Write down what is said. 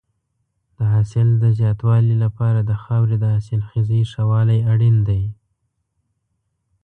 د حاصل د زیاتوالي لپاره د خاورې د حاصلخېزۍ ښه والی اړین دی.